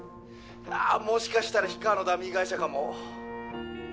あぁもしかしたら氷川のダミー会社かも。